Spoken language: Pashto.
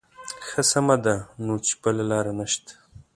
ښه سمه ده نو چې بله لاره نه شته.